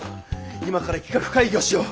今から企画会議をしよう。